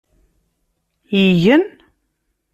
Igen?